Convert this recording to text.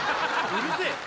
うるせえ？